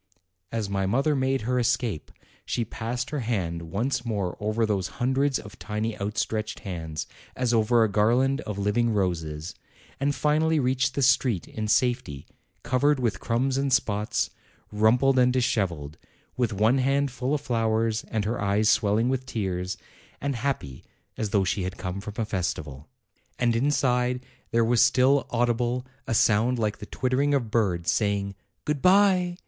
As my mother made her escape, she passed her hand once more over those hundreds of tiny out stretched hands as over a garland of living roses, and finally reached the street in safety, covered with crumbs and spots, rumpled and dishevelled, with one hand full of flowers and her eyes swelling with tears, and happy as though she had come from a festival. And inside there was still audible a sound like the twittering of birds, saying: "Good bye!